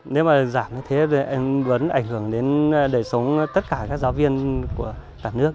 nếu mà giảm như thế thì em vẫn ảnh hưởng đến đời sống tất cả các giáo viên của cả nước